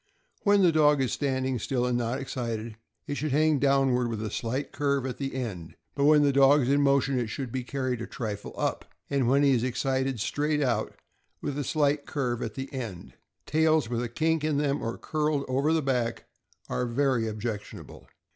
When the dog is standing still, and not excited, it should hang downward, with a slight curve at the end; but when the dog is in motion it should be carried a trifle up, and when he is excited, straight out, with a slight curve at end. Tails with a kink in them, or curled over the back, are very objectionable.